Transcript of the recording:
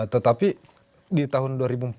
tetapi di tahun dua ribu empat belas